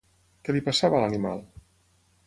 Què li passava a l'animal?